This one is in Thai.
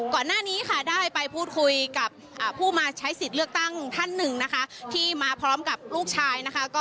ก่อนหน้านี้ได้ไปพูดคุยกับผู้มาใช้สิทธิ์เลือกตั้งท่าน๑ที่มาพร้อมกับลูกชาย